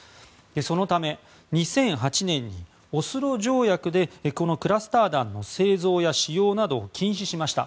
そのため、２００８年にオスロ条約でこのクラスター弾の製造や使用などを禁止しました。